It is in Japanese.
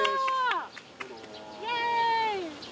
イエーイ。